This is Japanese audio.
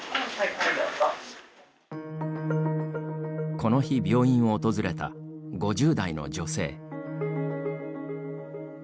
この日、病院を訪れた５０代の女性。